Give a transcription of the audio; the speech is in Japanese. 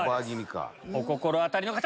お心当たりの方！